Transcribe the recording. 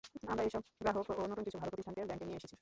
আমরা এসব গ্রাহক ও নতুন কিছু ভালো প্রতিষ্ঠানকে ব্যাংকে নিয়ে এসেছি।